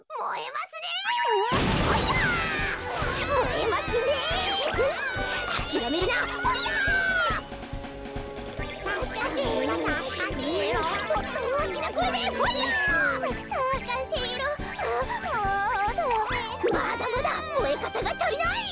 まだまだもえかたがたりない！